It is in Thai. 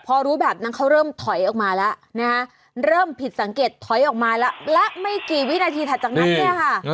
พอรู้แบบนั้นเขาเริ่มถอยออกมาแล้วนะฮะเริ่มผิดสังเกตถอยออกมาแล้วและไม่กี่วินาทีถัดจากนั้นเนี่ยค่ะ